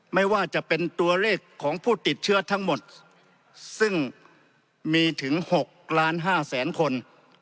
ไม่ว่าจะเป็นตัวเลขของผู้ติดเชื้อทั้งหมดซึ่งมีถึง๖ล้าน๕แสนคน